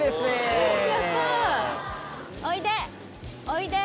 おいで！